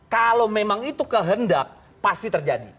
kalau memang itu kehendak pasti terjadi